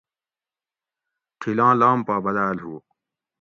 تھِل آں لام پا بداۤل ہُو